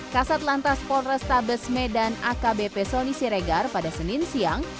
kasat lantas polrestabes medan akbp soni siregar pada senin siang